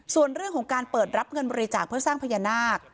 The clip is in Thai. ส่วนเรื่องของการเปิดรับเงินบริจาคเพื่อสร้างพญานาค